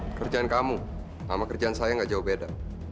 kerjaan kamu sama kerjaan saya gak jauh beda